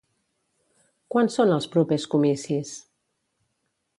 Quan són els propers comicis?